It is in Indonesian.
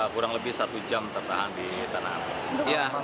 kurang lebih satu jam tertahan di tanah air